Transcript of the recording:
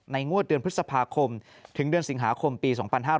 งวดเดือนพฤษภาคมถึงเดือนสิงหาคมปี๒๕๕๙